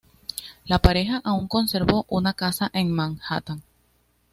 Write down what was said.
La pareja aun conservó una casa en Manhattan.